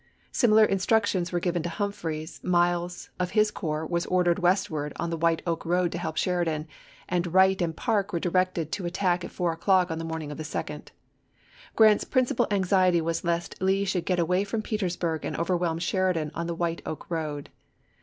Similar instructions were given to Humphreys ; Miles, of his corps, was ordered westward on the White Oak road to help Sheridan, and Wright and Parke were directed to attack at four o'clock on the morning of the 2d. Grant's principal anxiety was April, lsea lest Lee should get away from Petersburg and overwhelm Sheridan on the White Oak road.